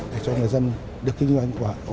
để cho người dân được kinh doanh hoàn hảo